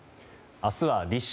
明日は立春。